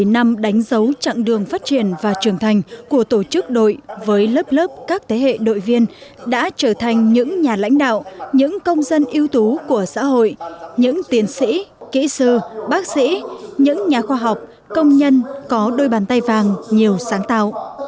bảy mươi năm đánh dấu chặng đường phát triển và trưởng thành của tổ chức đội với lớp lớp các thế hệ đội viên đã trở thành những nhà lãnh đạo những công dân ưu tú của xã hội những tiến sĩ kỹ sư bác sĩ những nhà khoa học công nhân có đôi bàn tay vàng nhiều sáng tạo